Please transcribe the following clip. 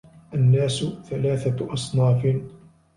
النَّاسُ ثَلَاثَةُ أَصْنَافٍ